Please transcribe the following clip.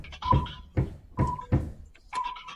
ای ړوند هلکه، له ډاره په اوږه باندي مڼه وساته.